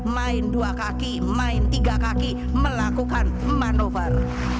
main dua kaki main tiga kaki melakukan manuver